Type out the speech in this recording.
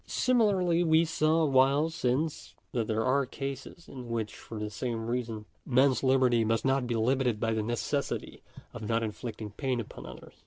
Similarly we saw awhile since (p. 79), that there are cases in which for the same reason men's liberty must not be limited by the necessity of not inflicting pain upon others.